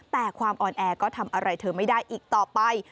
แต่ความอ่อนแอก็ทำอะไรเธอไม่ได้อีกต่อไป